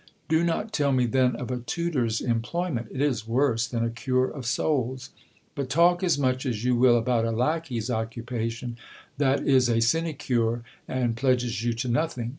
Do not tell me then of a tutor's employment ; it is worse than a cure of souls. But talk as much as you will about a lacquey's occupation, that is a sinecure, and pledges you to nothing.